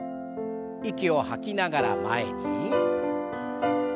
息を吐きながら前に。